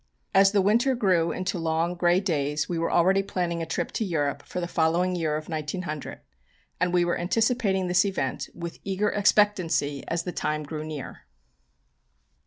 As the winter grew into long, gray days, we were already planning a trip to Europe for the following year of 1900, and we were anticipating this event with eager expectancy as the time grew near.